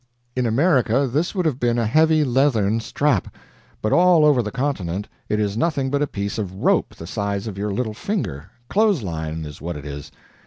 In America this would have been a heavy leathern strap; but, all over the continent it is nothing but a piece of rope the size of your little finger clothes line is what it is.